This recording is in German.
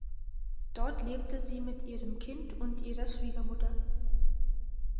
Dort lebte sie mit ihrem Kind und ihrer Schwiegermutter.